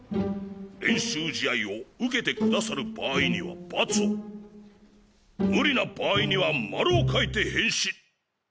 練習試合を受けてくださる場合には×を無理な場合には○を書いてへんし。